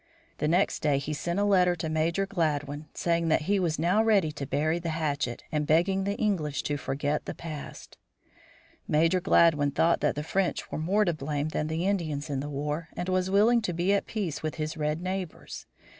The next day he sent a letter to Major Gladwin saying that he was now ready to bury the hatchet, and begging the English to forget the past. Major Gladwin thought that the French were more to blame than the Indians in the war, and was willing to be at peace with his red neighbors.